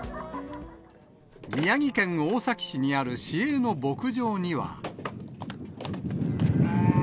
宮城県大崎市にある市営の牧場には。